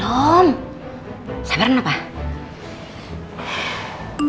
kamu kumpulkan lagi adiknya